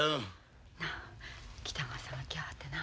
なあ北川さんが来はってな。